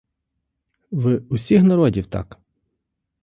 В усіх народів так.